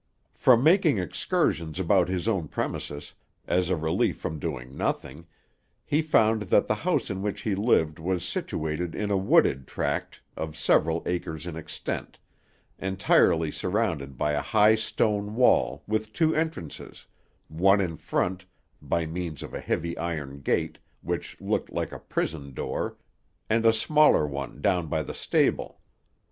From making excursions about his own premises, as a relief from doing nothing, he found that the house in which he lived was situated in a wooded tract of several acres in extent, entirely surrounded by a high stone wall, with two entrances; one in front, by means of a heavy iron gate, which looked like a prison door, and a smaller one down by the stable.